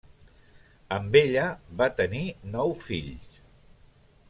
Amb ella va tenir nou fills.